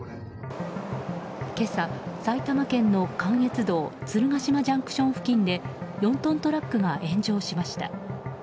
今朝、埼玉県の関越道鶴ヶ島ＪＣ付近で４トントラックが炎上しました。